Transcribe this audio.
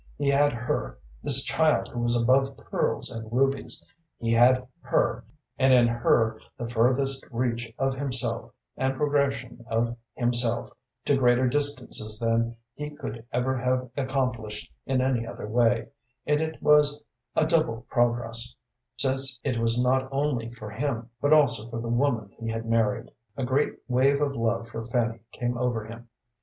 He had her, this child who was above pearls and rubies, he had her, and in her the furthest reach of himself and progression of himself to greater distances than he could ever have accomplished in any other way, and it was a double progress, since it was not only for him, but also for the woman he had married. A great wave of love for Fanny came over him.